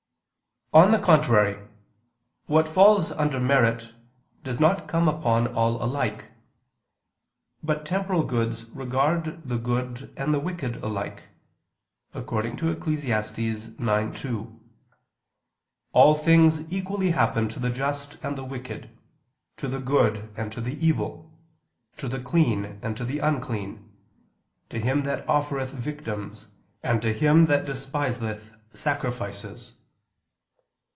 Obj. 4: On the contrary, What falls under merit does not come upon all alike. But temporal goods regard the good and the wicked alike; according to Eccles. 9:2: "All things equally happen to the just and the wicked, to the good and to the evil, to the clean and to the unclean, to him that offereth victims and to him that despiseth sacrifices."